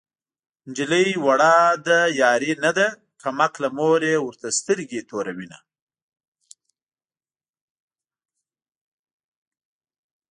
نجلۍ وړه د يارۍ نه ده کم عقله مور يې ورته سترګې توروينه